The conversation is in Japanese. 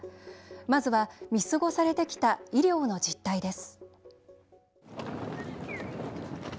まずは、見過ごされてきた医療の実態です。